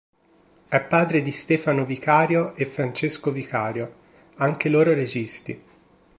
È padre di Stefano Vicario e Francesco Vicario, anche loro registi.